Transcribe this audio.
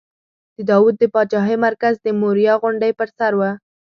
د داود د پاچاهۍ مرکز د موریا غونډۍ پر سر و.